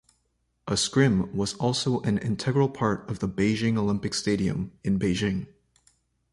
A scrim was also an integral part of the Beijing Olympic Stadium in Beijing.